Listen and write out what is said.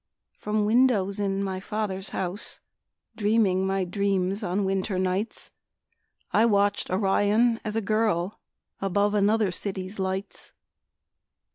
From windows in my father's house, Dreaming my dreams on winter nights, I watched Orion as a girl Above another city's lights.